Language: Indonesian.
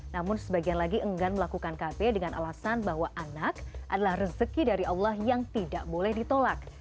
namun sebagian lagi enggan melakukan kb dengan alasan bahwa anak adalah rezeki dari allah yang tidak boleh ditolak